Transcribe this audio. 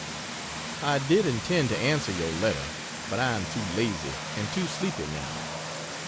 I did intend to answer your letter, but I am too lazy and too sleepy now.